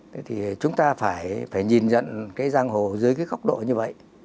thế thì chúng ta phải nhìn nhận cái giang hồ dưới cái góc độ như vậy